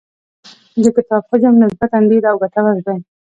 د کتاب حجم نسبتاً ډېر او ګټور دی.